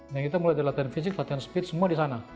nah kita mulai ada latihan fisik latihan speed semua di sana